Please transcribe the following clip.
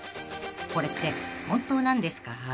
［これって本当なんですか？］